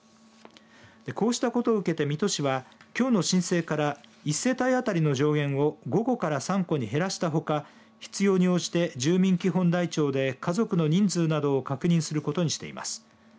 こうしたことを受けて、水戸市はきょうの申請から１世帯当たりの上限を５個から３個に減らしたほか必要に応じて住民基本台帳で家族の人数などを確認することにしています。